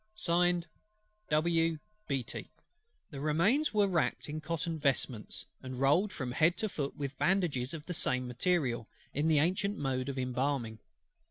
"W. BEATTY." The Remains were wrapped in cotton vestments, and rolled from head to foot with bandages of the same material, in the ancient mode of embalming.